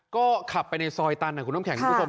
ก็ขับไปในซอยตันอ่ะคุณครับคุณผู้ชม